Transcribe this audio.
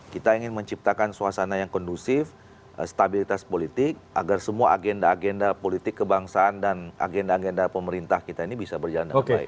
kita ingin menciptakan suasana yang kondusif stabilitas politik agar semua agenda agenda politik kebangsaan dan agenda agenda pemerintah kita ini bisa berjalan dengan baik